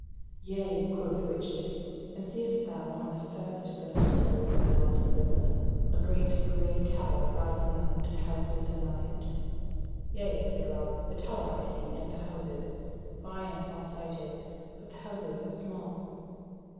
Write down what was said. "Yea," quoth Richard; "and seest thou on the first of the little hills beyond the river, a great grey tower rising up and houses anigh it?" "Yea," said Ralph, "the tower I see, and the houses, for I am far sighted; but the houses are small."